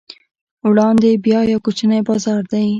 وړاندې بیا یو کوچنی بازار دی.